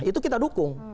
itu kita dukung